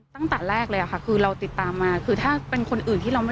ตั้งแต่แรกเลยค่ะคือเราติดตามมาคือถ้าเป็นคนอื่นที่เราไม่